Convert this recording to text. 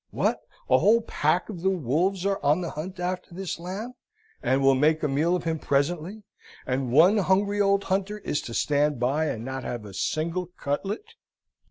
What? a whole pack of the wolves are on the hunt after this lamb, and will make a meal of him presently, and one hungry old hunter is to stand by, and not have a single cutlet?